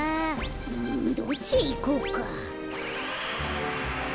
うんどっちへいこうか？